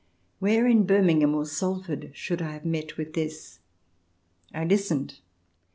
Where in Birmingham or Salford should I have met with this? I listened.